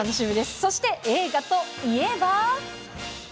そして、映画といえば。